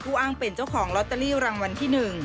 อ้างเป็นเจ้าของลอตเตอรี่รางวัลที่๑